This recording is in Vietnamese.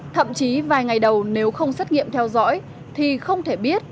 thậm chí vài ngày đầu nếu không xét nghiệm theo dõi thì không thể biết